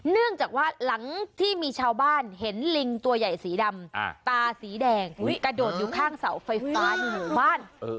เนื่องจากว่าหลังที่มีชาวบ้านเห็นลิงตัวใหญ่สีดำตาสีแดงกระโดดอยู่ข้างเสาไฟฟ้าในหมู่บ้าน